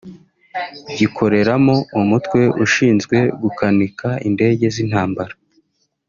gikoreramo umutwe ushinzwe gukanika indege z’intambara